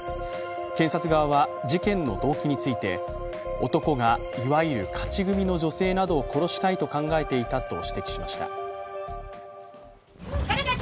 検察側は事件の動機について、男がいわゆる勝ち組の女性などを殺したいと考えていたと指摘しました。